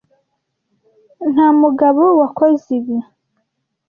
nta mugabo wakoze ibi